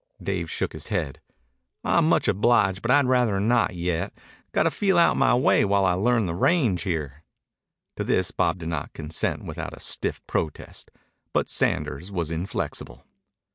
Dave shook his head. "I'm much obliged, but I'd rather not yet. Got to feel out my way while I learn the range here." To this Bob did not consent without a stiff protest, but Sanders was inflexible.